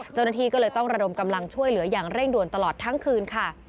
เจ้าหน้าที่ก็เลยต้องระดมกำลังช่วยเหลืออย่างเร่งด่วนตลอดทั้งคืนค่ะ